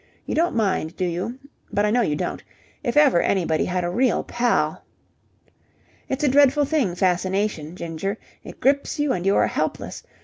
You don't mind, do you? But I know you don't. If ever anybody had a real pal... "It's a dreadful thing, fascination, Ginger. It grips you and you are helpless.